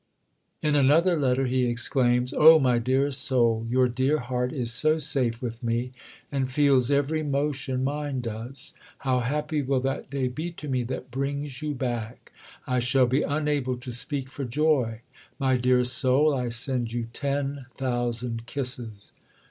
In another letter he exclaims: "Oh, my dearest soul ... your dear heart is so safe with me and feels every motion mine does. How happy will that day be to me that brings you back! I shall be unable to speak for joy. My dearest soul, I send you ten thousand kisses."